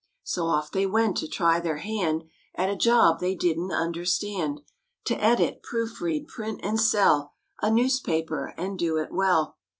So off they went to try their hand At a job they didn't understand: To edit, proof read, print and sell A newspaper and do it well.